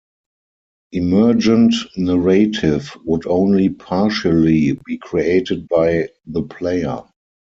Emergent narrative would only partially be created by the player.